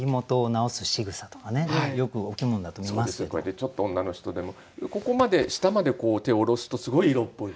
ちょっと女の人でもここまで下まで手を下ろすとすごい色っぽい。